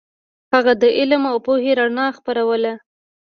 هغه د علم او پوهې رڼا خپروله.